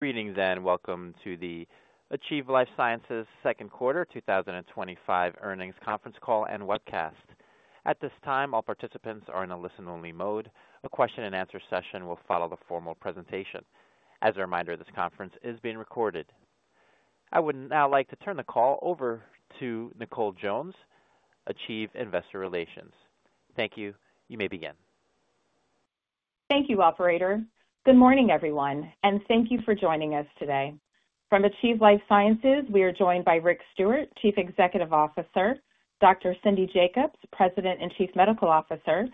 Greetings and welcome to the Achieve Life Sciences Second Quarter 2025 Earnings Conference call and webcast. At this time, all participants are in a listen-only mode. A question and answer session will follow the formal presentation. As a reminder, this conference is being recorded. I would now like to turn the call over to Nicole Jones, Achieve Investor Relations. Thank you. You may begin. Thank you, operator. Good morning, everyone, and thank you for joining us today. From Achieve Life Sciences, we are joined by Rick Stewart, Chief Executive Officer, Dr. Cindy Jacobs, President and Chief Medical Officer,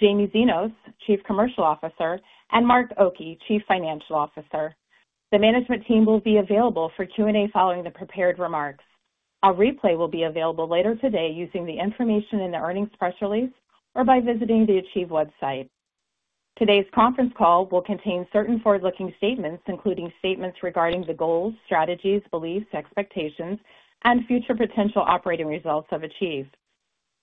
Jaime Xinos, Chief Commercial Officer, and Mark Oki, Chief Financial Officer. The management team will be available for Q&A following the prepared remarks. A replay will be available later today using the information in the earnings press release or by visiting the Achieve website. Today's conference call will contain certain forward-looking statements, including statements regarding the goals, strategies, beliefs, expectations, and future potential operating results of Achieve.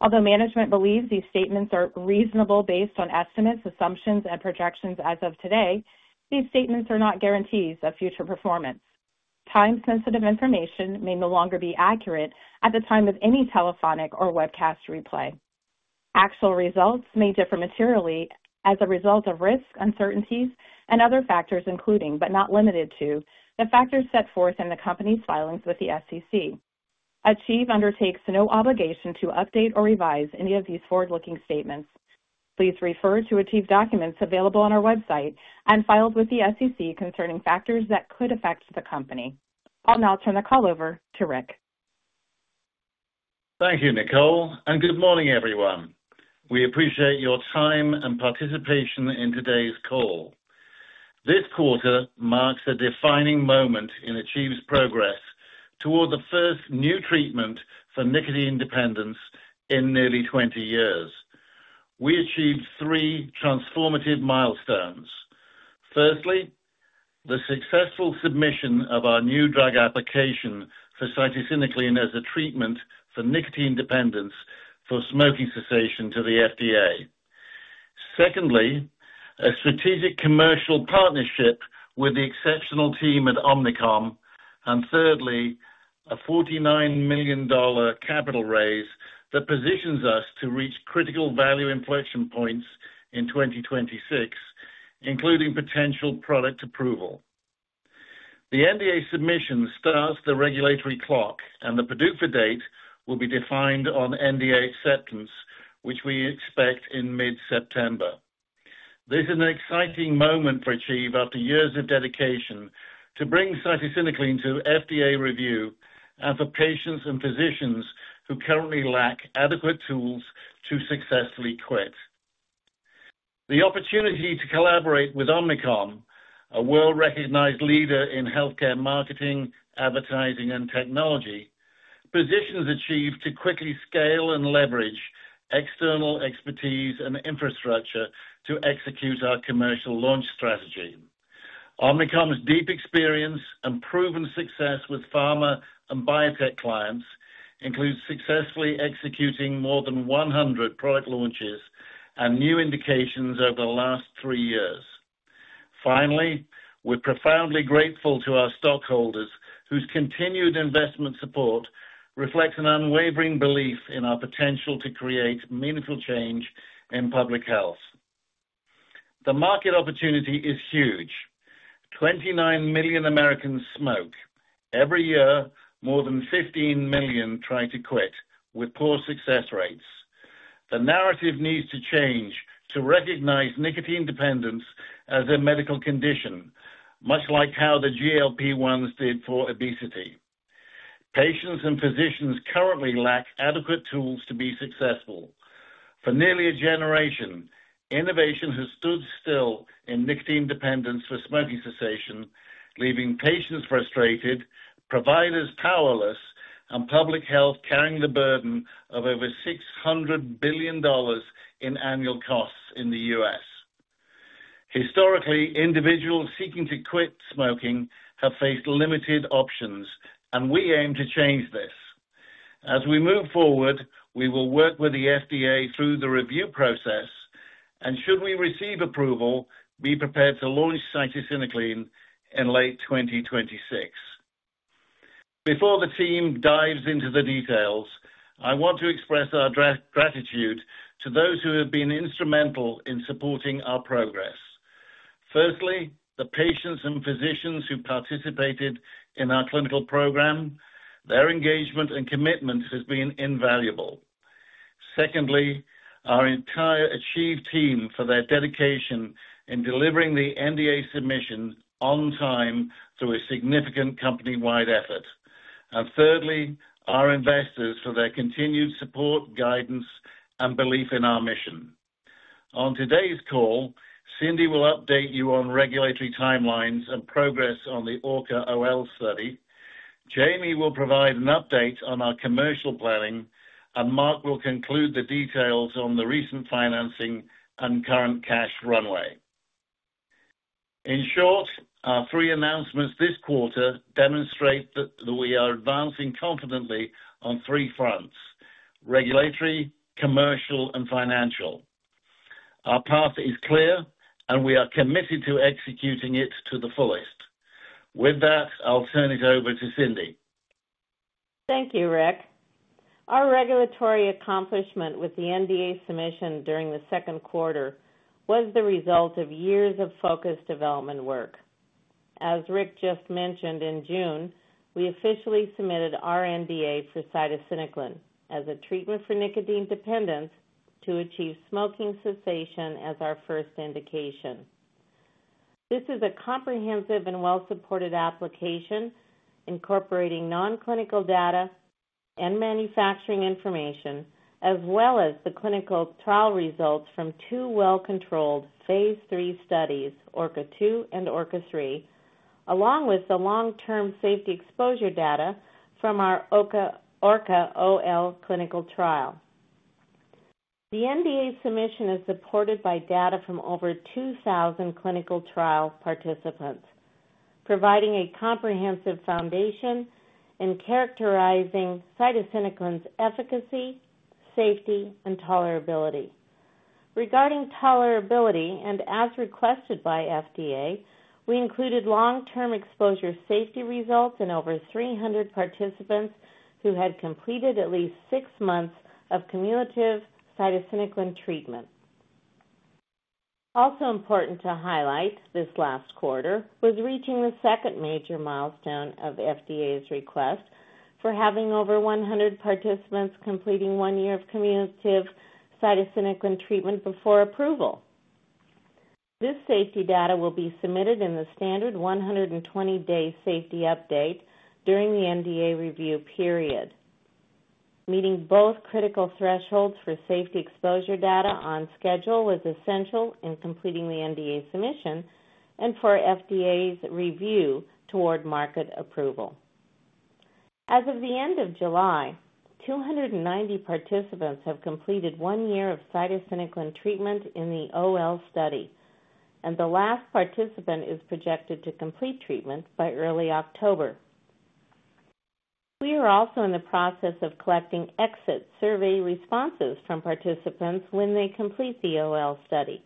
Although management believes these statements are reasonable based on estimates, assumptions, and projections as of today, these statements are not guarantees of future performance. Time-sensitive information may no longer be accurate at the time of any telephonic or webcast replay. Actual results may differ materially as a result of risk, uncertainties, and other factors, including, but not limited to, the factors set forth in the company's filings with the SEC. Achieve undertakes no obligation to update or revise any of these forward-looking statements. Please refer to Achieve documents available on our website and filed with the SEC concerning factors that could affect the company. I'll now turn the call over to Rick. Thank you, Nicole, and good morning, everyone. We appreciate your time and participation in today's call. This quarter marks a defining moment in Achieve Life Sciences' progress toward the first new treatment for nicotine dependence in nearly 20 years. We achieved three transformative milestones. Firstly, the successful submission of our New Drug Application for cytisinicline as a treatment for nicotine dependence for smoking cessation to the FDA. Secondly, a strategic commercial partnership with the exceptional team at Omnicom. Thirdly, a $49 million capital raise that positions us to reach critical value inflection points in 2026, including potential product approval. The NDA submission starts the regulatory clock, and the PDUFA date will be defined on NDA acceptance, which we expect in mid-September. This is an exciting moment for Achieve after years of dedication to bring cytisinicline to FDA review and for patients and physicians who currently lack adequate tools to successfully quit. The opportunity to collaborate with Omnicom, a world-recognized leader in healthcare marketing, advertising, and technology, positions Achieve Life Sciences to quickly scale and leverage external expertise and infrastructure to execute our commercial launch strategy. Omnicom's deep experience and proven success with pharma and biotech clients include successfully executing more than 100 product launches and new indications over the last three years. Finally, we're profoundly grateful to our stockholders whose continued investment support reflects an unwavering belief in our potential to create meaningful change in public health. The market opportunity is huge. 29 million Americans smoke. Every year, more than 15 million try to quit with poor success rates. The narrative needs to change to recognize nicotine dependence as a medical condition, much like how the GLP-1s did for obesity. Patients and physicians currently lack adequate tools to be successful. For nearly a generation, innovation has stood still in nicotine dependence for smoking cessation, leaving patients frustrated, providers powerless, and public health carrying the burden of over $600 billion in annual costs in the U.S. Historically, individuals seeking to quit smoking have faced limited options, and we aim to change this. As we move forward, we will work with the FDA through the review process, and should we receive approval, be prepared to launch cytisinicline in late 2026. Before the team dives into the details, I want to express our gratitude to those who have been instrumental in supporting our progress. Firstly, the patients and physicians who participated in our clinical program, their engagement and commitment has been invaluable. Secondly, our entire Achieve team for their dedication in delivering the NDA submission on time through a significant company-wide effort. Thirdly, our investors for their continued support, guidance, and belief in our mission. On today's call, Cindy will update you on regulatory timelines and progress on the ORCA-OL study. Jaime will provide an update on our commercial planning, and Mark will conclude the details on the recent financing and current cash runway. In short, our three announcements this quarter demonstrate that we are advancing confidently on three fronts: regulatory, commercial, and financial. Our path is clear, and we are committed to executing it to the fullest. With that, I'll turn it over to Cindy. Thank you, Rick. Our regulatory accomplishment with the NDA submission during the second quarter was the result of years of focused development work. As Rick just mentioned, in June, we officially submitted our NDA for cytisinicline as a treatment for nicotine dependence to achieve smoking cessation as our first indication. This is a comprehensive and well-supported application incorporating non-clinical data and manufacturing information, as well as the clinical trial results from two well-controlled phase III studies, ORCA-2 and ORCA-3, along with the long-term safety exposure data from our ORCA-OL clinical trial. The NDA submission is supported by data from over 2,000 clinical trial participants, providing a comprehensive foundation and characterizing cytisinicline efficacy, safety, and tolerability. Regarding tolerability, and as requested by the FDA, we included long-term exposure safety results in over 300 participants who had completed at least six months of cumulative cytisinicline treatment. Also important to highlight this last quarter was reaching the second major milestone of the FDA's request for having over 100 participants completing one year of cumulative cytisinicline treatment before approval. This safety data will be submitted in the standard 120-day safety update during the NDA review period. Meeting both critical thresholds for safety exposure data on schedule is essential in completing the NDA submission and for the FDA's review toward market approval. As of the end of July, 290 participants have completed one year of cytisinicline treatment in the OL study, and the last participant is projected to complete treatment by early October. We are also in the process of collecting exit survey responses from participants when they complete the OL study,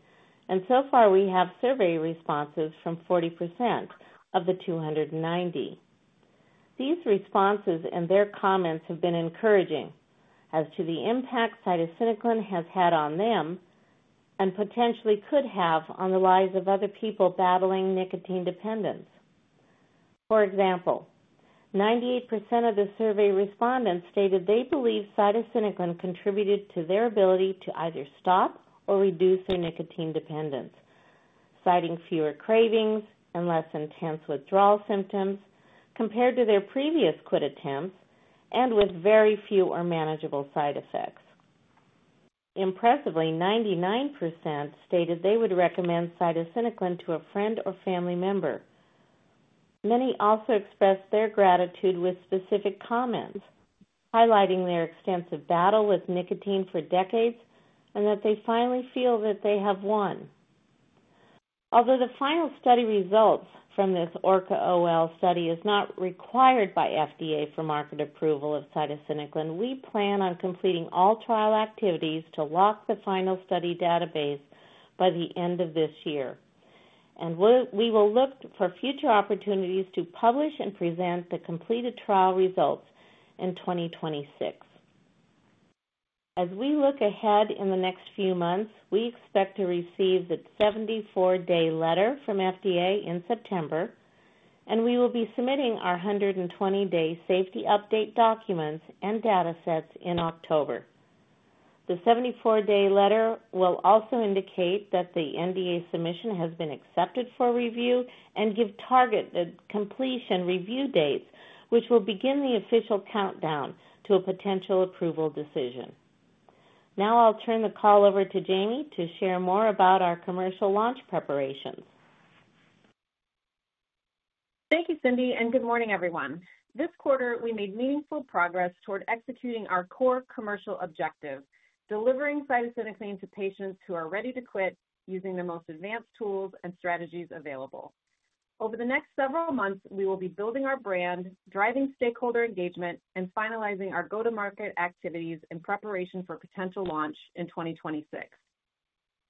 and so far we have survey responses from 40% of the 290. These responses and their comments have been encouraging as to the impact cytisinicline has had on them and potentially could have on the lives of other people battling nicotine dependence. For example, 98% of the survey respondents stated they believe cytisinicline contributed to their ability to either stop or reduce their nicotine dependence, citing fewer cravings and less intense withdrawal symptoms compared to their previous quit attempts and with very few or manageable side effects. Impressively, 99% stated they would recommend cytisinicline to a friend or family member. Many also expressed their gratitude with specific comments, highlighting their extensive battle with nicotine for decades and that they finally feel that they have won. Although the final study results from this ORCA-OL study are not required by FDA for market approval of cytisinicline, we plan on completing all trial activities to lock the final study database by the end of this year, and we will look for future opportunities to publish and present the completed trial results in 2026. As we look ahead in the next few months, we expect to receive the Day 74 acceptance letter from FDA in September, and we will be submitting our 120-day safety update documents and data sets in October. The 74 day letter will also indicate that the NDA submission has been accepted for review and give target completion review dates, which will begin the official countdown to a potential approval decision. Now I'll turn the call over to Jaime to share more about our commercial launch preparations. Thank you, Cindy, and good morning, everyone. This quarter, we made meaningful progress toward executing our core commercial objective: delivering cytisinicline to patients who are ready to quit using the most advanced tools and strategies available. Over the next several months, we will be building our brand, driving stakeholder engagement, and finalizing our go-to-market activities in preparation for potential launch in 2026.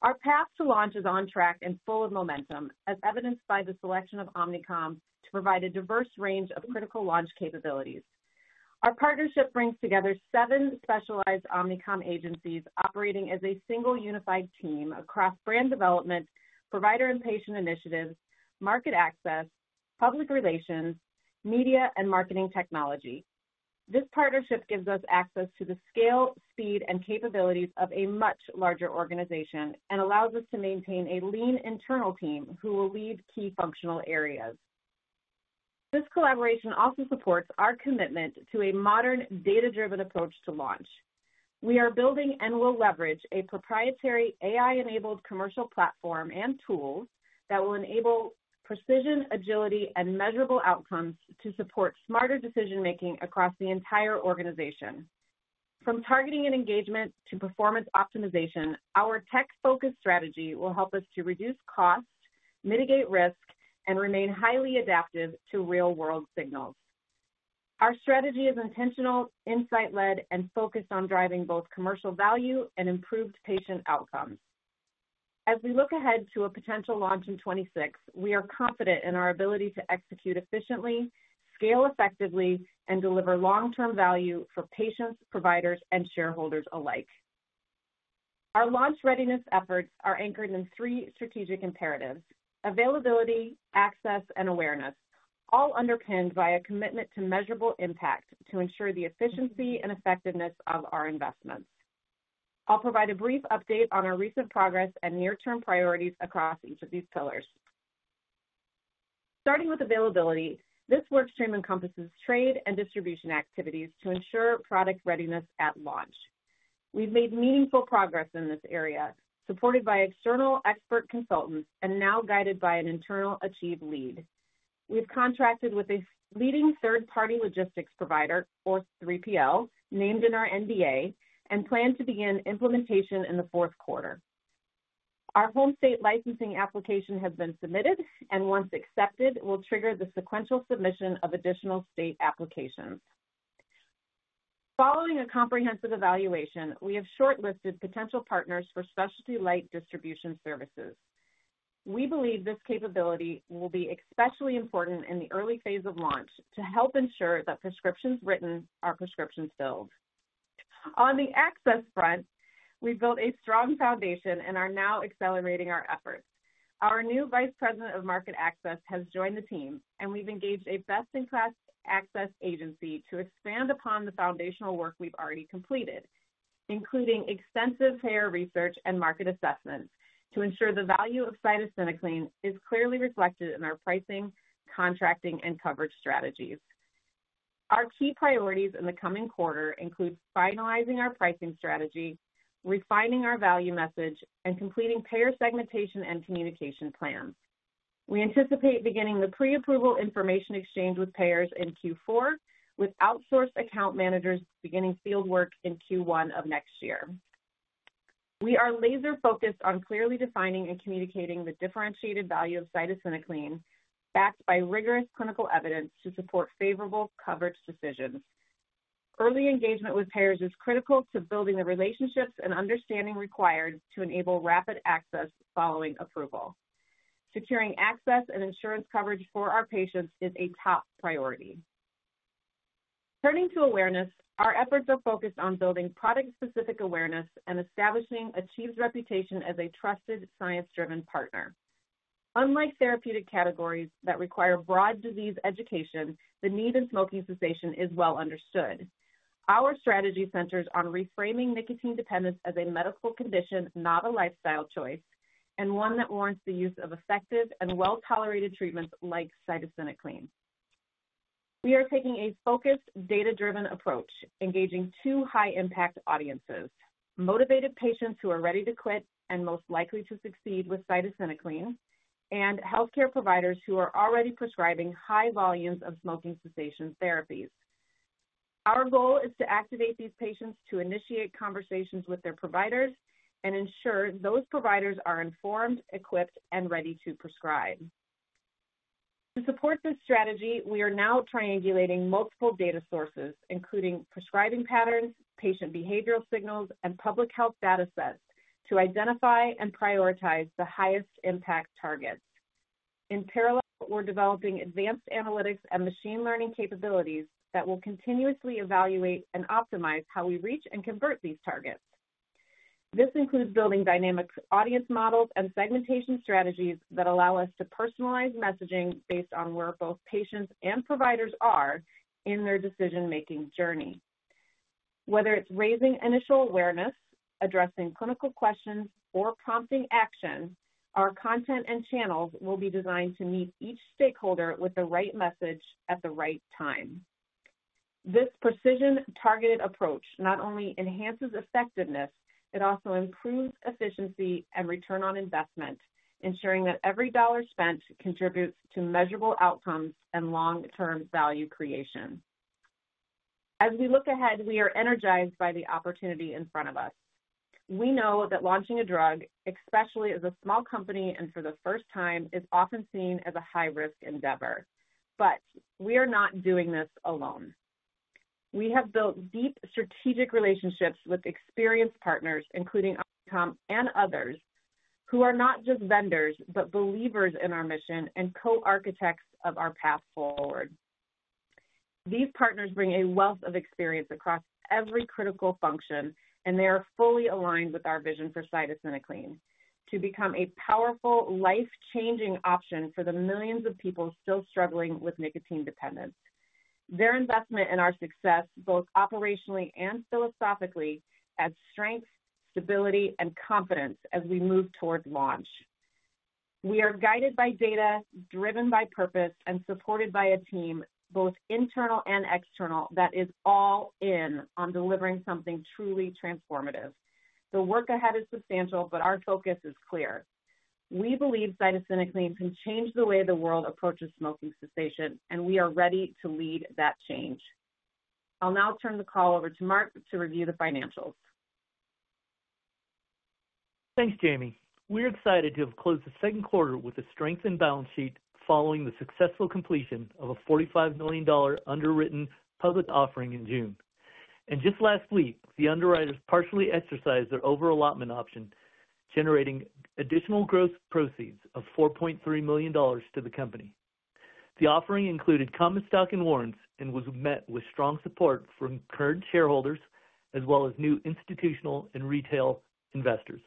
Our path to launch is on track and full of momentum, as evidenced by the selection of Omnicom to provide a diverse range of critical launch capabilities. Our partnership brings together seven specialized Omnicom agencies operating as a single unified team across brand development, provider and patient initiatives, market access, public relations, media, and marketing technology. This partnership gives us access to the scale, speed, and capabilities of a much larger organization and allows us to maintain a lean internal team who will lead key functional areas. This collaboration also supports our commitment to a modern, data-driven approach to launch. We are building and will leverage a proprietary AI-enabled commercial platform and tool that will enable precision, agility, and measurable outcomes to support smarter decision-making across the entire organization. From targeting and engagement to performance optimization, our tech-focused strategy will help us to reduce cost, mitigate risk, and remain highly adaptive to real-world signals. Our strategy is intentional, insight-led, and focused on driving both commercial value and improved patient outcomes. As we look ahead to a potential launch in 2026, we are confident in our ability to execute efficiently, scale effectively, and deliver long-term value for patients, providers, and shareholders alike. Our launch readiness efforts are anchored in three strategic imperatives: availability, access, and awareness, all underpinned by a commitment to measurable impact to ensure the efficiency and effectiveness of our investments. I'll provide a brief update on our recent progress and near-term priorities across each of these pillars. Starting with availability, this work stream encompasses trade and distribution activities to ensure product readiness at launch. We've made meaningful progress in this area, supported by external expert consultants and now guided by an internal Achieve lead. We've contracted with a leading third-party logistics provider, Fourth 3PL, named in our NDA, and plan to begin implementation in the fourth quarter. Our home state licensing application has been submitted, and once accepted, we'll trigger the sequential submission of additional state applications. Following a comprehensive evaluation, we have shortlisted potential partners for specialty light distribution services. We believe this capability will be especially important in the early phase of launch to help ensure that prescriptions written are prescriptions filled. On the access front, we built a strong foundation and are now accelerating our efforts. Our new Vice President of Market Access has joined the team, and we've engaged a best-in-class access agency to expand upon the foundational work we've already completed, including extensive payer research and market assessments to ensure the value of cytisinicline is clearly reflected in our pricing, contracting, and coverage strategies. Our key priorities in the coming quarter include finalizing our pricing strategy, refining our value message, and completing payer segmentation and communication plans. We anticipate beginning the pre-approval information exchange with payers in Q4, with outsourced account managers beginning field work in Q1 of next year. We are laser-focused on clearly defining and communicating the differentiated value of cytisinicline, backed by rigorous clinical evidence to support favorable coverage decisions. Early engagement with payers is critical to building the relationships and understanding required to enable rapid access following approval. Securing access and insurance coverage for our patients is a top priority. Turning to awareness, our efforts are focused on building product-specific awareness and establishing Achieve Life Sciences' reputation as a trusted, science-driven partner. Unlike therapeutic categories that require broad disease education, the need in smoking cessation is well understood. Our strategy centers on reframing nicotine dependence as a medical condition, not a lifestyle choice, and one that warrants the use of effective and well-tolerated treatments like cytisinicline. We are taking a focused, data-driven approach, engaging two high-impact audiences: motivated patients who are ready to quit and most likely to succeed with cytisinicline, and healthcare providers who are already prescribing high volumes of smoking cessation therapies. Our goal is to activate these patients to initiate conversations with their providers and ensure those providers are informed, equipped, and ready to prescribe. To support this strategy, we are now triangulating multiple data sources, including prescribing patterns, patient behavioral signals, and public health data sets to identify and prioritize the highest impact targets. In parallel, we're developing advanced analytics and machine learning capabilities that will continuously evaluate and optimize how we reach and convert these targets. This includes building dynamic audience models and segmentation strategies that allow us to personalize messaging based on where both patients and providers are in their decision-making journey. Whether it's raising initial awareness, addressing clinical questions, or prompting action, our content and channels will be designed to meet each stakeholder with the right message at the right time. This precision-targeted approach not only enhances effectiveness, it also improves efficiency and return on investment, ensuring that every dollar spent contributes to measurable outcomes and long-term value creation. As we look ahead, we are energized by the opportunity in front of us. We know that launching a drug, especially as a small company and for the first time, is often seen as a high-risk endeavor. We are not doing this alone. We have built deep strategic relationships with experienced partners, including Omnicom and others, who are not just vendors but believers in our mission and co-architects of our path forward. These partners bring a wealth of experience across every critical function, and they are fully aligned with our vision for cytisinicline to become a powerful, life-changing option for the millions of people still struggling with nicotine dependence. Their investment in our success, both operationally and philosophically, adds strength, stability, and confidence as we move toward launch. We are guided by data, driven by purpose, and supported by a team, both internal and external, that is all in on delivering something truly transformative. The work ahead is substantial, but our focus is clear. We believe cytisinicline can change the way the world approaches smoking cessation, and we are ready to lead that change. I'll now turn the call over to Mark to review the financials. Thanks, Jaime. We're excited to have closed the second quarter with a strengthened balance sheet following the successful completion of a $45 million underwritten public offering in June. Just last week, the underwriters partially exercised their overall allotment option, generating additional gross proceeds of $4.3 million to the company. The offering included common stock and warrants and was met with strong support from current shareholders, as well as new institutional and retail investors.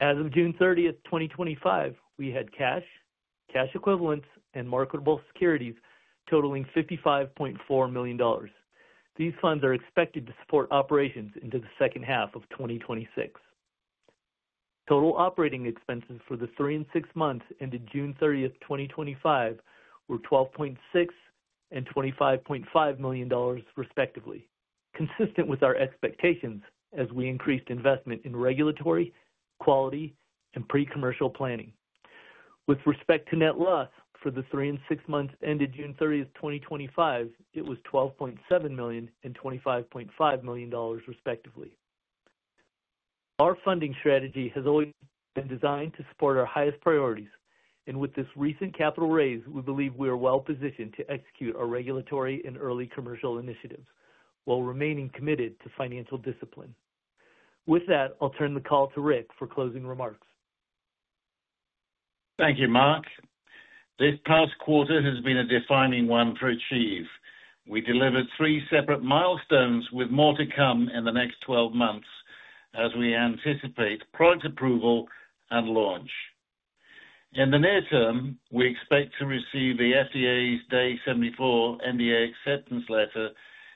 As of June 30th, 2025, we had cash, cash equivalents, and marketable securities totaling $55.4 million. These funds are expected to support operations into the second half of 2026. Total operating expenses for the three and six months ended June 30th, 2025, were $12.6 million and $25.5 million, respectively, consistent with our expectations as we increased investment in regulatory, quality, and pre-commercial planning. With respect to net loss for the three and six months ended June 30, 2025, it was $12.7 million and $25.5 million, respectively. Our funding strategy has always been designed to support our highest priorities, and with this recent capital raise, we believe we are well positioned to execute our regulatory and early commercial initiatives while remaining committed to financial discipline. With that, I'll turn the call to Rick for closing remarks. Thank you, Mark. This past quarter has been a defining one for Achieve Life Sciences. We delivered three separate milestones with more to come in the next 12 months as we anticipate product approval and launch. In the near term, we expect to receive the FDA's Day 74 NDA acceptance letter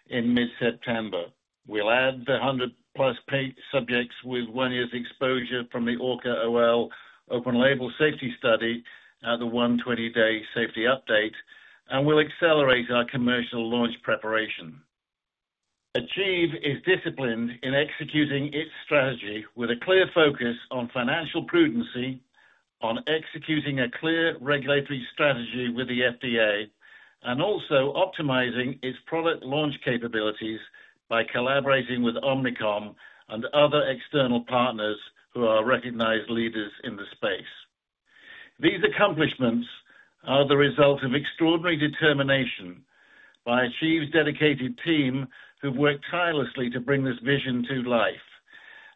in mid-September. We'll add the 100+ paid subjects with one year's exposure from the ORCA-OL open-label safety study at the 120-day safety update, and we'll accelerate our commercial launch preparation. Achieve Life Sciences is disciplined in executing its strategy with a clear focus on financial prudency, on executing a clear regulatory strategy with the FDA, and also optimizing its product launch capabilities by collaborating with Omnicom and other external partners who are recognized leaders in the space. These accomplishments are the result of extraordinary determination by Achieve Life Sciences' dedicated team who've worked tirelessly to bring this vision to life,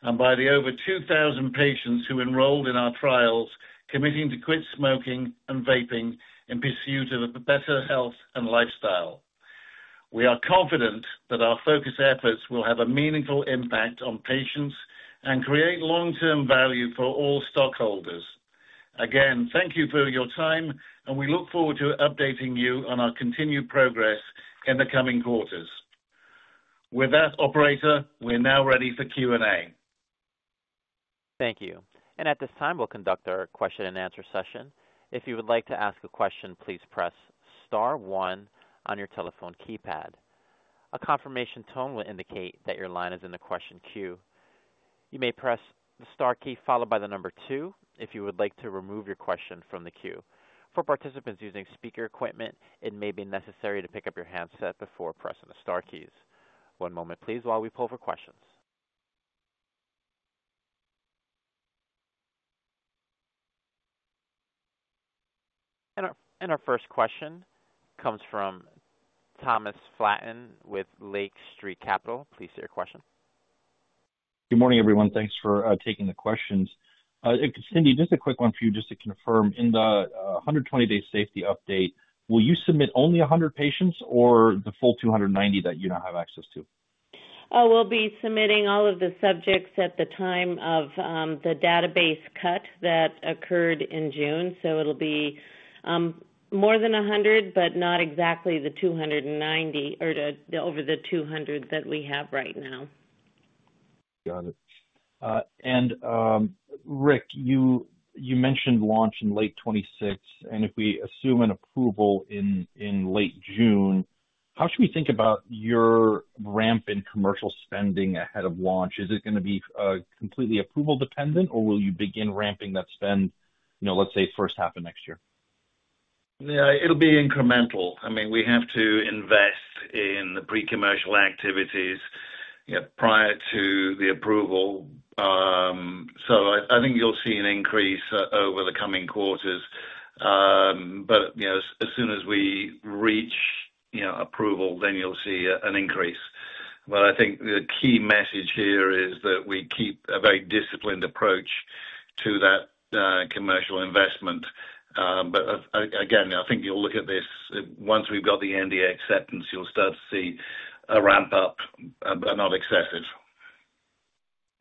and by the over 2,000 patients who enrolled in our trials, committing to quit smoking and vaping in pursuit of better health and lifestyle. We are confident that our focused efforts will have a meaningful impact on patients and create long-term value for all stockholders. Again, thank you for your time, and we look forward to updating you on our continued progress in the coming quarters. With that, operator, we're now ready for Q&A. Thank you. At this time, we'll conduct our question and answer session. If you would like to ask a question, please press star one on your telephone keypad. A confirmation tone will indicate that your line is in the question queue. You may press the star key followed by the number two if you would like to remove your question from the queue. For participants using speaker equipment, it may be necessary to pick up your handset before pressing the star keys. One moment, please, while we pull for questions. Our first question comes from Thomas Flatten with Lake Street Capital. Please hear your question. Good morning, everyone. Thanks for taking the questions. Cindy, just a quick one for you, just to confirm. In the 120-day safety update, will you submit only 100 patients or the full 290 that you now have access to? We'll be submitting all of the subjects at the time of the database cut that occurred in June. It'll be more than 100, but not exactly the 290 or over the 200 that we have right now. Got it. Rick, you mentioned launch in late 2026. If we assume an approval in late June, how should we think about your ramp in commercial spending ahead of launch? Is it going to be completely approval-dependent, or will you begin ramping that spend, let's say, first half of next year? Yeah, it'll be incremental. We have to invest in the pre-commercial activities prior to the approval. I think you'll see an increase over the coming quarters. As soon as we reach approval, you'll see an increase. I think the key message here is that we keep a very disciplined approach to that commercial investment. Again, I think you'll look at this. Once we've got the NDA acceptance, you'll start to see a ramp-up, but not excessive.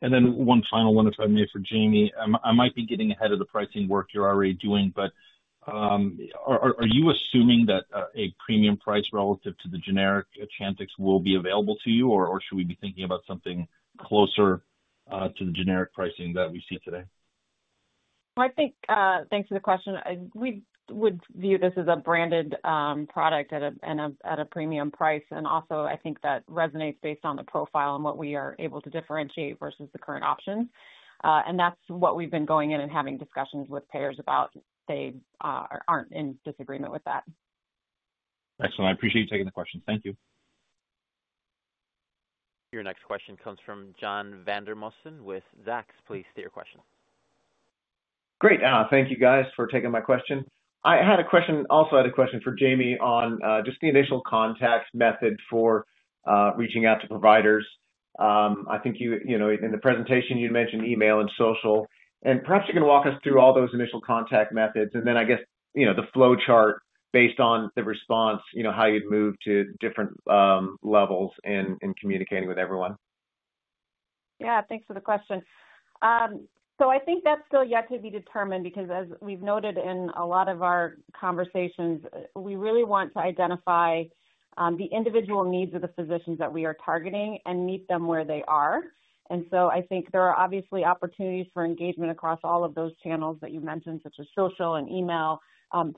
One final one if I may for Jaime. I might be getting ahead of the pricing work you're already doing, but are you assuming that a premium price relative to the generic Chantix will be available to you, or should we be thinking about something closer to the generic pricing that we see today? Thank you for the question. We would view this as a branded product at a premium price. I think that resonates based on the profile and what we are able to differentiate versus the current options. That's what we've been going in and having discussions with payers about. They aren't in disagreement with that. Excellent. I appreciate you taking the questions. Thank you. Your next question comes from John Vandermosten with Zacks. Please state your question. Great. Thank you guys for taking my question. I had a question for Jaime on just the initial contact method for reaching out to providers. I think you, in the presentation, you'd mentioned email and social. Perhaps you can walk us through all those initial contact methods and then, I guess, the flowchart based on the response, how you'd move to different levels in communicating with everyone. Thank you for the question. I think that's still yet to be determined because, as we've noted in a lot of our conversations, we really want to identify the individual needs of the physicians that we are targeting and meet them where they are. I think there are obviously opportunities for engagement across all of those channels that you mentioned, such as social and email,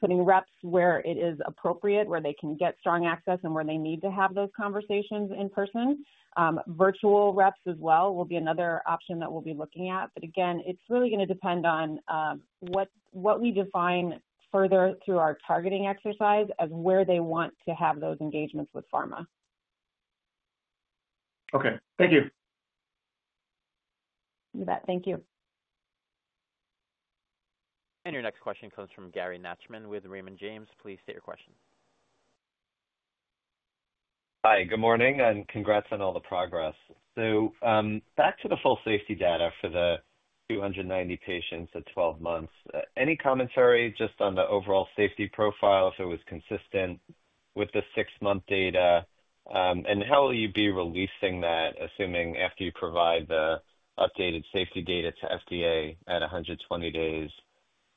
putting reps where it is appropriate, where they can get strong access and where they need to have those conversations in person. Virtual reps as well will be another option that we'll be looking at. Again, it's really going to depend on what we define further through our targeting exercise as where they want to have those engagements with pharma. Okay, thank you. You bet. Thank you. Your next question comes from Gary Nachman with Raymond James. Please state your question. Good morning, and congrats on all the progress. Back to the full safety data for the 290 patients at 12 months. Any commentary just on the overall safety profile if it was consistent with the six-month data? How will you be releasing that, assuming after you provide the updated safety data to the FDA at 120 days?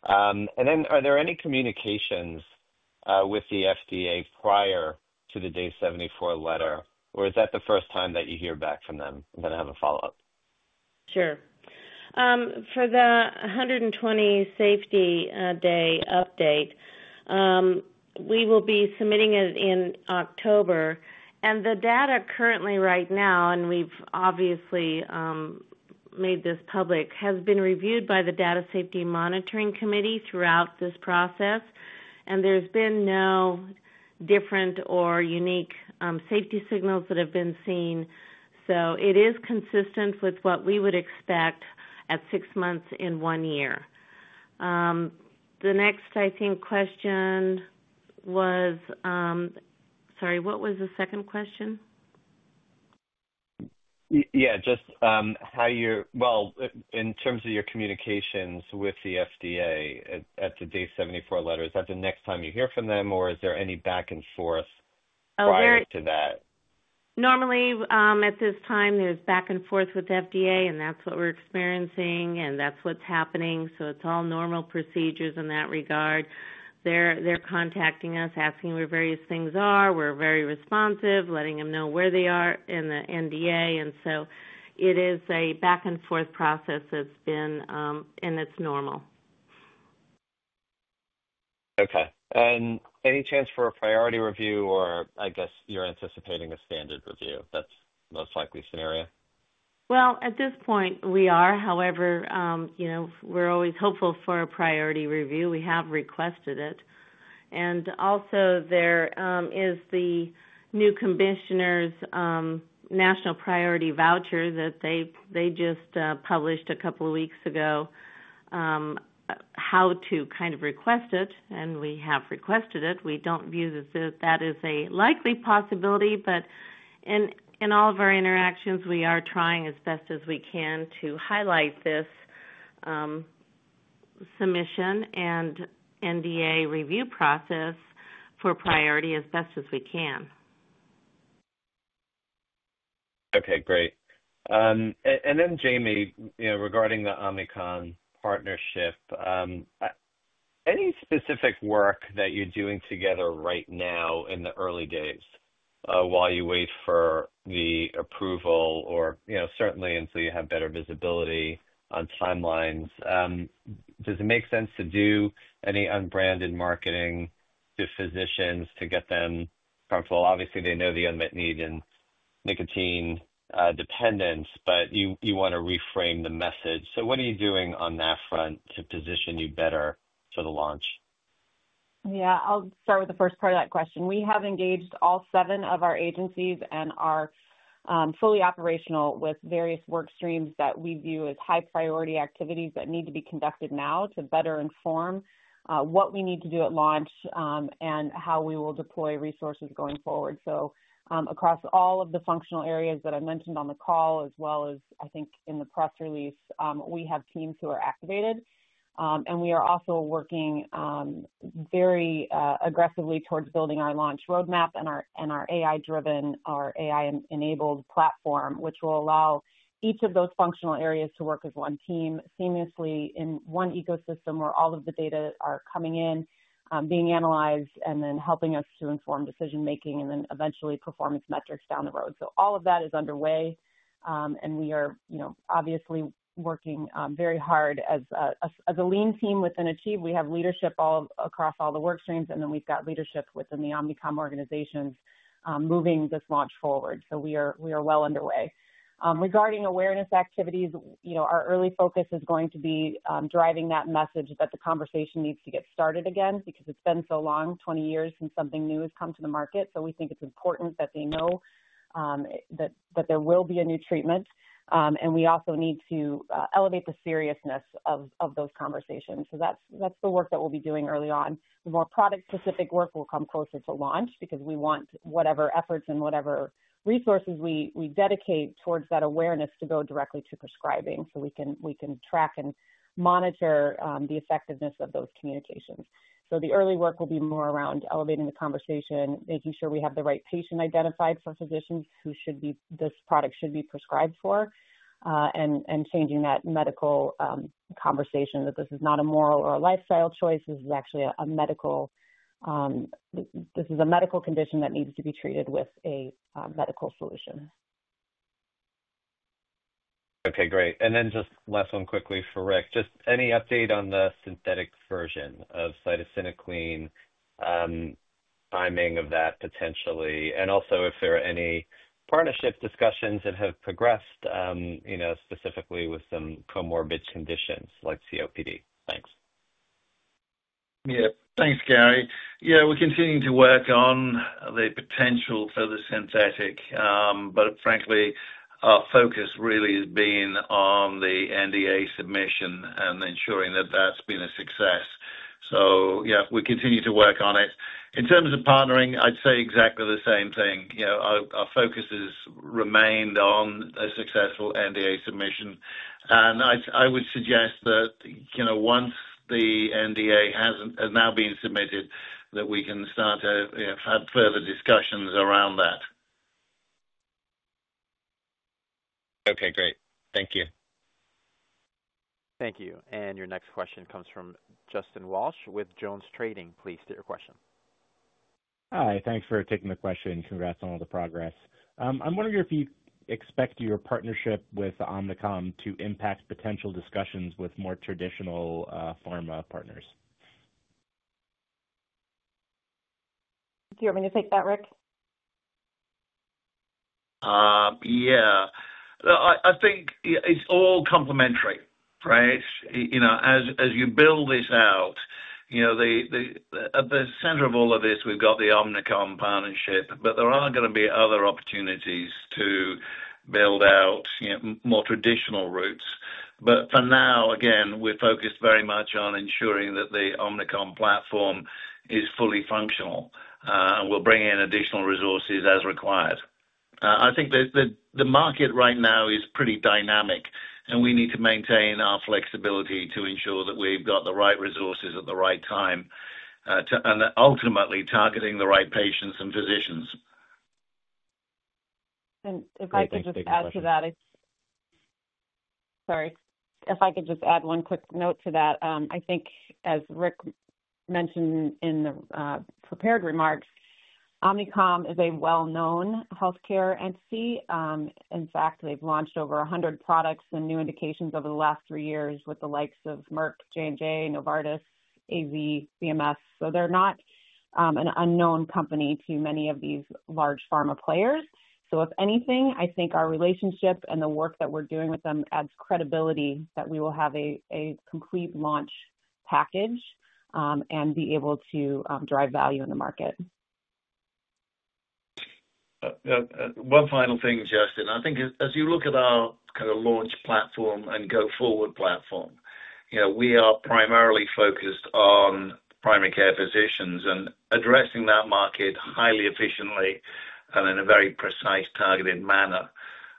Are there any communications with the FDA prior to the Day 74 acceptance letter, or is that the first time that you hear back from them? I'm going to have a follow-up. Sure. For the 120 safety day update, we will be submitting it in October. The data currently right now, and we've obviously made this public, has been reviewed by the Data Safety Monitoring Committee throughout this process. There's been no different or unique safety signals that have been seen. It is consistent with what we would expect at six months in one year. The next, I think, question was, sorry, what was the second question? In terms of your communications with the FDA at the Day 74 acceptance letter, is that the next time you hear from them, or is there any back and forth prior to that? Normally, at this time, there's back and forth with the FDA, and that's what we're experiencing, that's what's happening. It's all normal procedures in that regard. They're contacting us, asking where various things are. We're very responsive, letting them know where they are in the NDA. It is a back-and-forth process, and it's normal. Okay. Any chance for a priority review, or I guess you're anticipating a standard review? That's the most likely scenario? At this point, we are. However, you know, we're always hopeful for a priority review. We have requested it. Also, there is the new commissioner's national priority voucher that they just published a couple of weeks ago, how to kind of request it. We have requested it. We don't view that as a likely possibility, but in all of our interactions, we are trying as best as we can to highlight this submission and NDA review process for priority as best as we can. Okay, great. Jaime, regarding the Omnicom partnership, any specific work that you're doing together right now in the early days while you wait for the approval, or certainly until you have better visibility on timelines, does it make sense to do any unbranded marketing to physicians to get them comfortable? Obviously, they know the unmet need in nicotine dependence, but you want to reframe the message. What are you doing on that front to position you better for the launch? Yeah, I'll start with the first part of that question. We have engaged all seven of our agencies and are fully operational with various work streams that we view as high-priority activities that need to be conducted now to better inform what we need to do at launch and how we will deploy resources going forward. Across all of the functional areas that I mentioned on the call, as well as I think in the press release, we have teams who are activated. We are also working very aggressively towards building our launch roadmap and our AI-enabled commercial platform, which will allow each of those functional areas to work as one team seamlessly in one ecosystem where all of the data are coming in, being analyzed, and then helping us to inform decision-making and eventually performance metrics down the road. All of that is underway. We are obviously working very hard as a lean team within Achieve. We have leadership all across all the work streams, and we've got leadership within the Omnicom organizations moving this launch forward. We are well underway. Regarding awareness activities, our early focus is going to be driving that message that the conversation needs to get started again because it's been so long, 20 years, since something new has come to the market. We think it's important that they know that there will be a new treatment. We also need to elevate the seriousness of those conversations. That's the work that we'll be doing early on. The more product-specific work will come closer to launch because we want whatever efforts and whatever resources we dedicate towards that awareness to go directly to prescribing so we can track and monitor the effectiveness of those communications. The early work will be more around elevating the conversation, making sure we have the right patient identified for physicians who this product should be prescribed for, and changing that medical conversation that this is not a moral or a lifestyle choice. This is actually a medical condition that needs to be treated with a medical solution. Okay, great. Just last one quickly for Rick. Any update on the synthetic version of cytisinicline timing of that potentially, and also if there are any partnership discussions that have progressed, specifically with some comorbid conditions like COPD. Thanks. Yeah, thanks, Gary. We're continuing to work on the potential for the synthetic, but frankly, our focus really has been on the NDA submission and ensuring that that's been a success. We continue to work on it. In terms of partnering, I'd say exactly the same thing. You know, our focus has remained on a successful NDA submission. I would suggest that, you know, once the NDA has now been submitted, we can start to have further discussions around that. Okay, great. Thank you. Thank you. Your next question comes from Justin Walsh with Jones Trading. Please state your question. Hi. Thanks for taking the question. Congrats on all the progress. I'm wondering if you expect your partnership with Omnicom to impact potential discussions with more traditional pharma partners. Do you want me to take that, Rick? I think it's all complementary, right? As you build this out, at the center of all of this, we've got the Omnicom partnership, but there are going to be other opportunities to build out more traditional routes. For now, again, we're focused very much on ensuring that the Omnicom platform is fully functional and will bring in additional resources as required. I think that the market right now is pretty dynamic, and we need to maintain our flexibility to ensure that we've got the right resources at the right time and ultimately targeting the right patients and physicians. If I could just add to that, I think, as Rick mentioned in the prepared remarks, Omnicom is a well-known healthcare entity. In fact, they've launched over 100 products and new indications over the last three years with the likes of Merck, J&J, Novartis, AbbVie, CMS. They're not an unknown company to many of these large pharma players. If anything, I think our relationship and the work that we're doing with them adds credibility that we will have a complete launch package and be able to drive value in the market. One final thing, Justin, I think as you look at our kind of launch platform and go forward platform, you know, we are primarily focused on primary care physicians and addressing that market highly efficiently and in a very precise, targeted manner.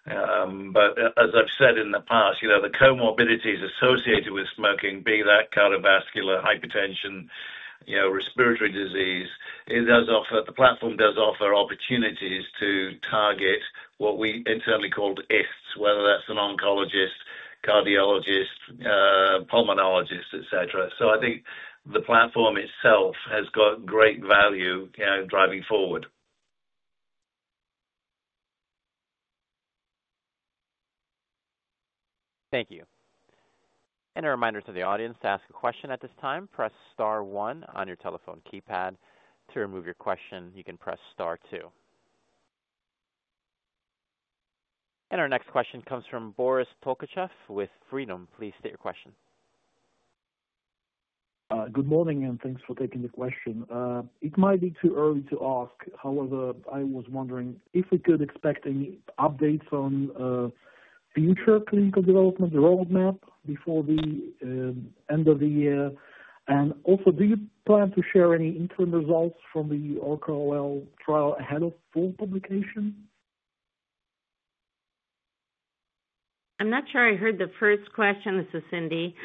As I've said in the past, the comorbidities associated with smoking, be that cardiovascular, hypertension, respiratory disease, it does offer the platform does offer opportunities to target what we internally call the ifs, whether that's an oncologist, cardiologist, pulmonologist, etc. I think the platform itself has got great value driving forward. Thank you. A reminder to the audience to ask a question at this time, press star one on your telephone keypad. To remove your question, you can press star two. Our next question comes from Boris Tolkachev with Freedom. Please state your question. Good morning, and thanks for taking the question. It might be too early to ask. However, I was wondering if we could expect any updates on future clinical development roadmap before the end of the year. Also, do you plan to share any interim results from the ORCA-OL trial ahead of full publication? I'm not sure I heard the first question. This is Cindy.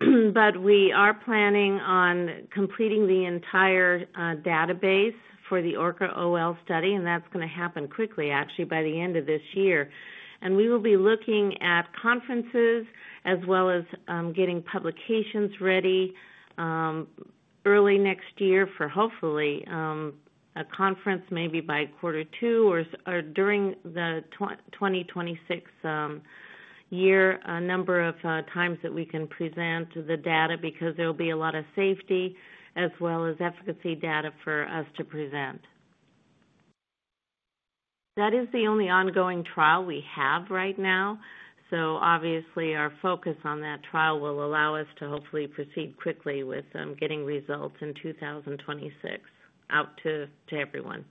We are planning on completing the entire database for the ORCA-OL study, and that's going to happen quickly, actually, by the end of this year. We will be looking at conferences as well as getting publications ready early next year for hopefully a conference maybe by quarter two or during the 2026 year, a number of times that we can present the data because there will be a lot of safety as well as efficacy data for us to present. That is the only ongoing trial we have right now. Obviously, our focus on that trial will allow us to hopefully proceed quickly with getting results in 2026 out to everyone.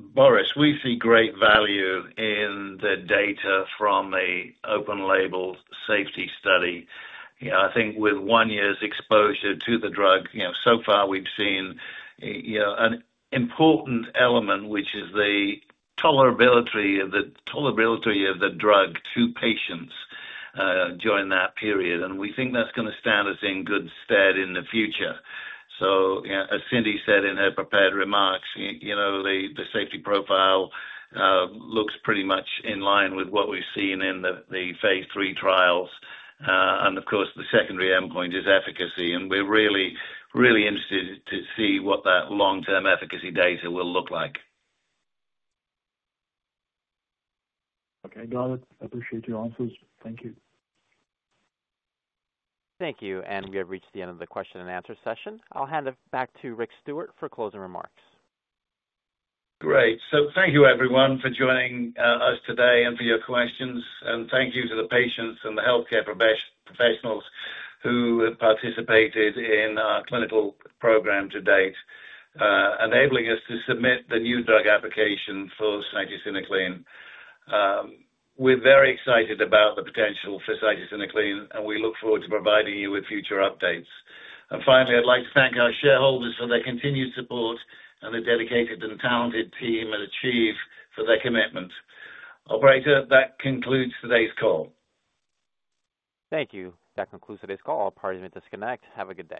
Boris, we see great value in the data from the open-label safety study. I think with one year's exposure to the drug, so far we've seen an important element, which is the tolerability of the drug to patients during that period. We think that's going to stand us in good stead in the future. As Dr. Cindy Jacobs said in her prepared remarks, the safety profile looks pretty much in line with what we've seen in the phase III trials. The secondary endpoint is efficacy, and we're really, really interested to see what that long-term efficacy data will look like. Okay, I appreciate your answers. Thank you. Thank you. We have reached the end of the question and answer session. I'll hand it back to Rick Stewart for closing remarks. Thank you, everyone, for joining us today and for your questions. Thank you to the patients and the healthcare professionals who have participated in our clinical program to date, enabling us to submit the New Drug Application for cytisinicline. We're very excited about the potential for cytisinicline, and we look forward to providing you with future updates. Finally, I'd like to thank our shareholders for their continued support and the dedicated and talented team at Achieve for their commitment. Operator, that concludes today's call. Thank you. That concludes today's call. All parties may disconnect. Have a good day.